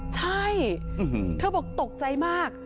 ใช่เธอบอกตกใจมาก